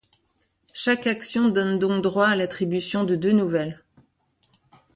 Chaque action donne donc droit a l'attribution de deux nouvelles.